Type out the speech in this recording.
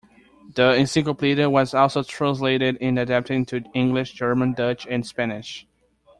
The encyclopedia was also translated and adapted into English, German, Dutch and Spanish.